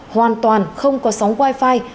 hoàn toàn không có sóng wifi